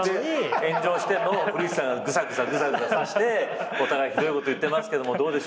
炎上してんのを古市さんがグサグサグサグサ刺してお互いひどいこと言ってますけどどうでしょう皆さん。